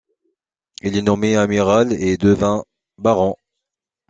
Il est nommé amiral et devint baron.